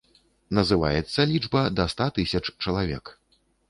Называецца лічба да ста тысяч чалавек.